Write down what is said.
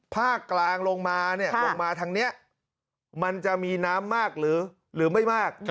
ภาคกลางลงมาเนี่ยลงมาลงมาทางนี้มันจะมีน้ำมากหรือไม่มาก